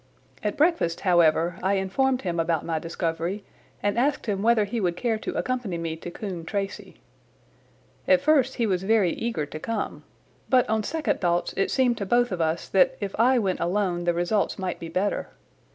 At breakfast, however, I informed him about my discovery and asked him whether he would care to accompany me to Coombe Tracey. At first he was very eager to come, but on second thoughts it seemed to both of us that if I went alone the results might be better.